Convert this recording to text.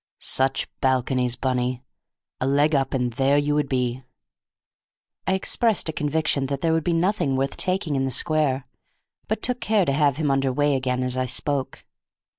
"Such balconies, Bunny! A leg up, and there you would be!" I expressed a conviction that there would be nothing worth taking in the square, but took care to have him under way again as I spoke.